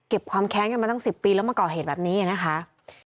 ความแค้นกันมาตั้ง๑๐ปีแล้วมาก่อเหตุแบบนี้นะคะ